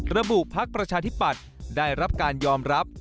ระบุพักประชาธิบัติได้รับการยอมรับ